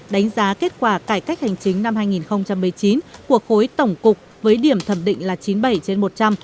đánh giá kết quả cải cách hành chính năm hai nghìn một mươi chín của khối tổng cục với điểm thẩm định là chín mươi bảy trên một trăm linh